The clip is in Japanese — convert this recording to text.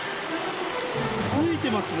ついてますね。